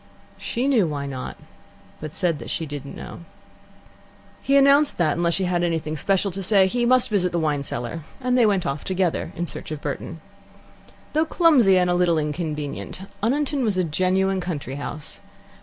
She knew why not, but said that she did not know. He then announced that, unless she had anything special to say, he must visit the wine cellar, and they went off together in search of Burton. Though clumsy and a little inconvenient, Oniton was a genuine country house.